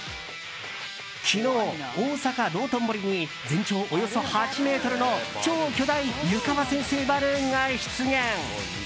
昨日、大阪・道頓堀に全長およそ８ｍの超巨大湯川先生バルーンが出現。